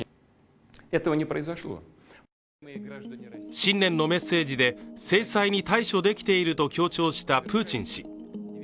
新年のメッセージで制裁に対処できていると強調したプーチン氏。